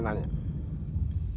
tidak ada yang tahu